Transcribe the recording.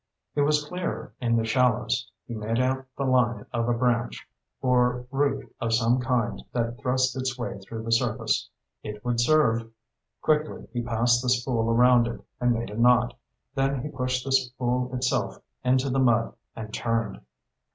It was clearer in the shallows. He made out the line of a branch, or root of some kind that thrust its way through the surface. It would serve. Quickly he passed the spool around it and made a knot, then he pushed the spool itself into the mud and turned.